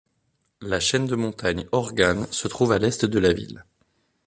La chaîne de montagnes Organ se trouve à l’est de la ville.